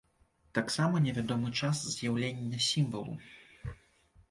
Таксама невядомы час з'яўлення сімвалу.